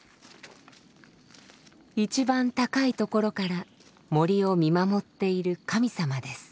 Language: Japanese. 一番高いところから森を見守っている神様です。